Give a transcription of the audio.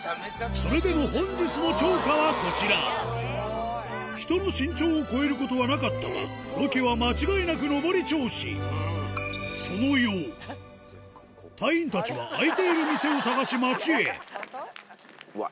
それでも本日の釣果はこちら人の身長を超えることはなかったがロケは間違いなく上り調子隊員たちは開いている店を探し街へうわっ！